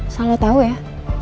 salah tau ya